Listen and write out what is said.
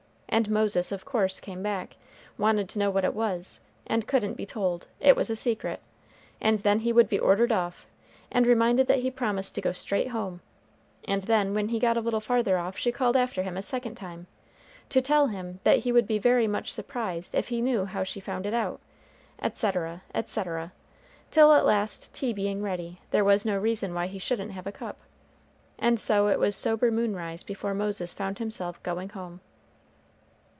And Moses of course came back; wanted to know what it was; and couldn't be told, it was a secret; and then he would be ordered off, and reminded that he promised to go straight home; and then when he got a little farther off she called after him a second time, to tell him that he would be very much surprised if he knew how she found it out, etc., etc., till at last tea being ready, there was no reason why he shouldn't have a cup. And so it was sober moonrise before Moses found himself going home.